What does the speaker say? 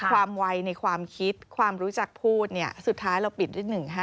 วัยในความคิดความรู้จักพูดเนี่ยสุดท้ายเราปิดได้๑๕